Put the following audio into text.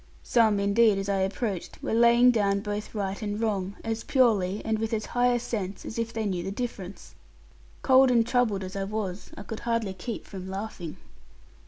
Some, indeed, as I approached, were laying down both right and wrong, as purely, and with as high a sense, as if they knew the difference. Cold and troubled as I was, I could hardly keep from laughing.